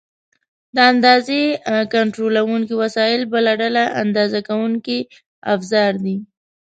د اندازې کنټرولونکي وسایل بله ډله اندازه کوونکي افزار دي.